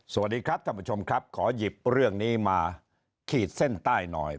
สวัสดีครับท่านผู้ชมครับขอหยิบเรื่องนี้มาขีดเส้นใต้หน่อย